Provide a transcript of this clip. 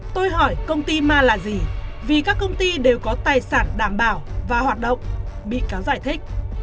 tôi hỏi công ty ma là gì vì các công ty đều có tài sản đảm bảo và hoạt động bị cáo giải thích